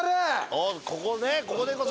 おっここねここでこそ。